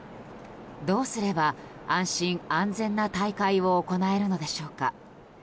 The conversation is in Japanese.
どうすれば安心・安全な大会を行えるのでしょうか。